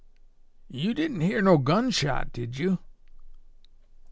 "You didn't hear no gun shot, did you?"